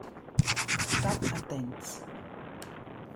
Stat attents!